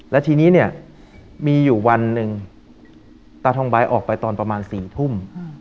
แล้วทีนี้เนี่ยมีอยู่วันหนึ่งตาทองใบออกไปตอนประมาณ๔ทุ่ม